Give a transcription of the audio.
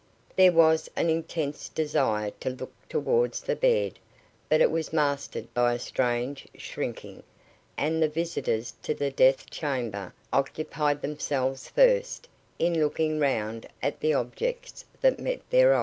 There was an intense desire to look towards the bed, but it was mastered by a strange shrinking, and the visitors to the death chamber occupied themselves first in looking round at the objects that met their eye.